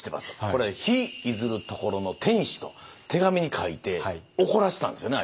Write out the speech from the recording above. これは「日出ずる処の天子」と手紙に書いて怒らせたんですよね